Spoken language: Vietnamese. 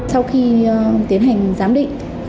sau khi tiến hành giám định